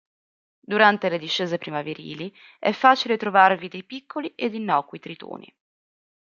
Durante le discese primaverili è facile trovarvi dei piccoli ed innocui tritoni.